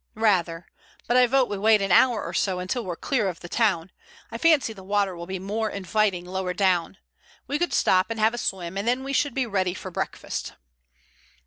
"Rather. But I vote we wait an hour or so until we're clear of the town. I fancy the water will be more inviting lower down. We could stop and have a swim, and then we should be ready for breakfast."